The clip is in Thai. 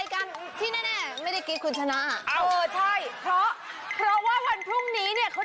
ครนี้แล้วอยู่ตรงนี้แหละ